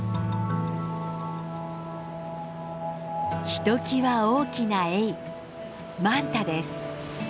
ひときわ大きなエイマンタです。